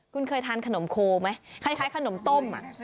คุณเคยทานขนมโคไหมคล้ายขนมต้ม